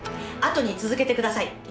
後に続けてください。